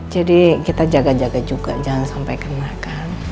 jadi kita jaga jaga juga jangan sampai kena kan